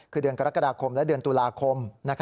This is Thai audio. คือเดือนกรกฎาคมและเดือนตุลาคม